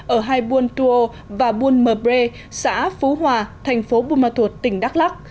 ở hai buôn tuô và buôn mờ brê xã phú hòa thành phố buôn ma thuột tỉnh đắk lắc